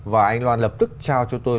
và anh loan lập tức trao cho tôi